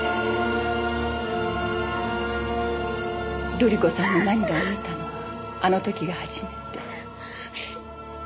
瑠璃子さんの涙を見たのはあの時が初めて。